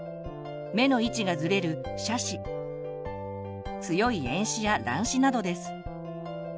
目の位置がずれる斜視強い遠視や乱視などです。